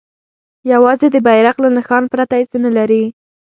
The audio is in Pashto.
یوازې د بیرغ له نښان پرته یې څه نه لري.